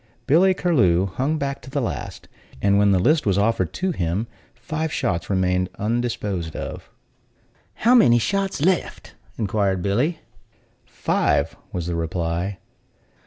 Billy Curlew hung back to the last; and when the list was offered him, five shots remained undisposed of. "How many shots left?" inquired Billy. "Five," was the reply.